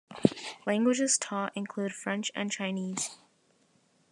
Languages taught include French and Chinese.